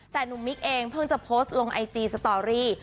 แต่หนุ่มมิกเองเพิ่งจะโพสต์ลงไอจีสตอรี่